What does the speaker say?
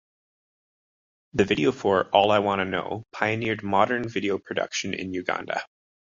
The video for "All I Wanna Know" pioneered modern video production in Uganda.